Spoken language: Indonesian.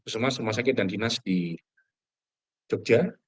semua rumah sakit dan dinas di jogja